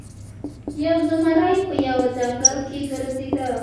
یو زمری په یوه ځنګل کې ګرځیده.